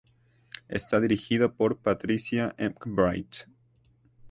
Está dirigido por Patricia McBride.